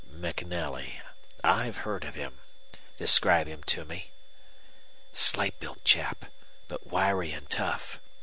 "MacNelly. I've heard of him. Describe him to me." "Slight built chap, but wiry and tough.